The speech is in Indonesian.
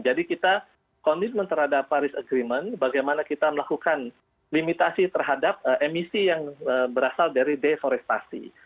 jadi kita komitmen terhadap paris agreement bagaimana kita melakukan limitasi terhadap emisi yang berasal dari deforestasi